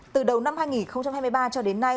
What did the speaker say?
từ đầu năm hai nghìn hai mươi ba cho đến nay